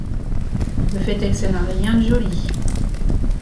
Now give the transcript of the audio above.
Le fait est que ça n'a rien de joli.